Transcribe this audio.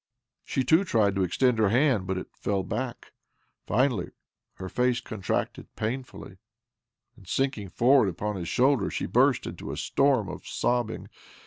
She too tried to extend her hand, but it fell back. Finally, her face contracted pain fully, and, sinking forward upon his shoulder, she burst into a storm of sobbing.